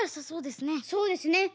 そうですね。